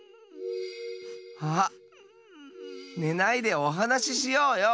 あっねないでおはなししようよ。